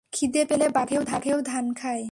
খিদে পেলে বাঘেও ধান খায়।